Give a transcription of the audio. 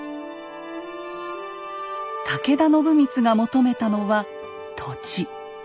武田信光が求めたのは土地。